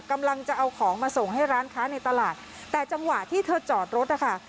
กำลังจะเอาของมาส่งให้ร้านค้าในตลาดแต่จังหวะที่เธอจอดรถนะคะ